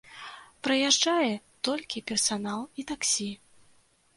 Праязджае толькі персанал і таксі.